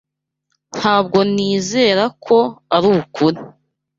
Ntabwo nizera ko arukuri.